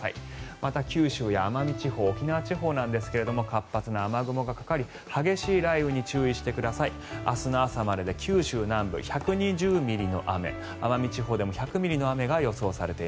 また、九州や奄美地方沖縄地方なんですが活発な雨雲がかかり激しい雷雨に注意してください。